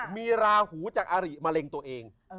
มีราหูจากอาริมะเร็งตัวเอง